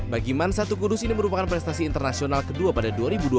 bagi man satu kudus ini merupakan prestasi internasional kedua pada dua ribu dua puluh